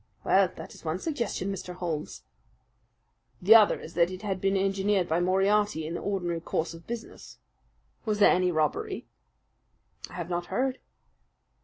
"Well, that is one suggestion, Mr. Holmes." "The other is that it has been engineered by Moriarty in the ordinary course of business. Was there any robbery?" "I have not heard."